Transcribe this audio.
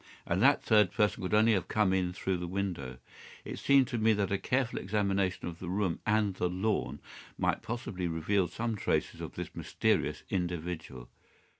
And that third person could only have come in through the window. It seemed to me that a careful examination of the room and the lawn might possibly reveal some traces of this mysterious individual.